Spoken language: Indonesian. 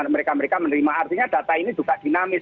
mereka mereka menerima artinya data ini juga dinamis